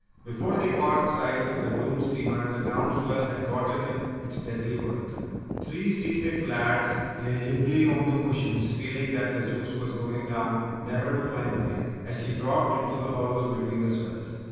Before they caught sight of the doomed steamer the ground swell had gotten in its deadly work. Three seasick lads lay limply on the cushions feeling that the Zeus was going down never to climb again, as she dropped into the hollows between the swells.